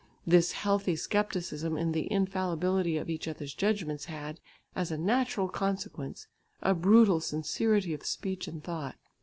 This healthy scepticism in the infallibility of each other's judgments had, as a natural consequence, a brutal sincerity of speech and thought.